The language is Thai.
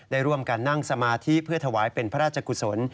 ได้ร่วมกันนั่งสมาธิเพื่อถวายเป็นพระราชกุศล